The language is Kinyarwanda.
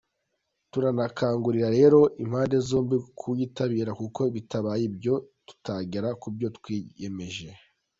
Turakangurira rero imbande zombi kuwitabira kuko bitabaye ibyo tutagera ku byo twiyemeje.